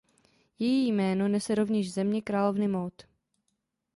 Její jméno nese rovněž Země královny Maud.